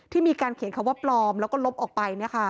มีการเขียนคำว่าปลอมแล้วก็ลบออกไป